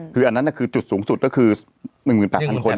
คืออันนั้นคือจุดสูงสุดก็คือ๑๘๐๐คน